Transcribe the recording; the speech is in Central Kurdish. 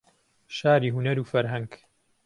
شاری هونەر و فەرهەنگ